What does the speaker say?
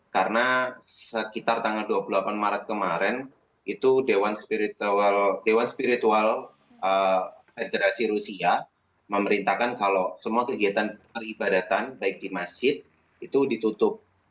karena sekitar tanggal dua puluh delapan maret kemarin itu dewan spiritual federasi rusia memerintahkan kalau semua kegiatan peribadatan baik di masjid itu ditutup